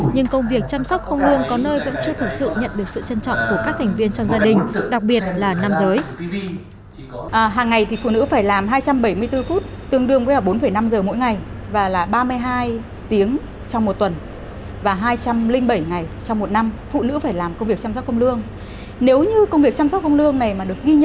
nhưng công việc chăm sóc không lương có nơi vẫn chưa thực sự nhận được sự trân trọng của các thành viên trong gia đình